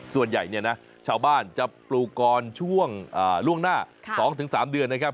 ส่วนใหญ่เนี่ยนะชาวบ้านจะปลูกกรช่วงล่วงหน้า๒๓เดือนนะครับ